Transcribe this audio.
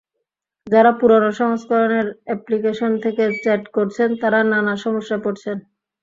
যাঁরা পুরোনো সংস্করণের অ্যাপ্লিকেশন থেকে চ্যাট করছেন, তাঁরা নানা সমস্যায় পড়ছেন।